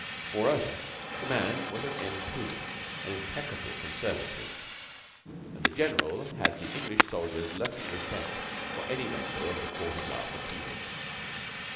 Moreover, the man was an M.P., an impeccable Conservative, and the General had the English soldier's lurking respect for any member of the Court of Last Appeal.